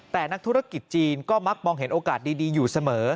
แต่นักธุรกิจจีนก็มักมองเห็นโอกาสดีอยู่เสมอ